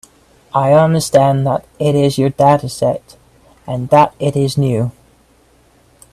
I understand that it is your dataset, and that it is new.